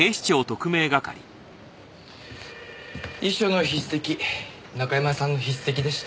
遺書の筆跡中山さんの筆跡でした。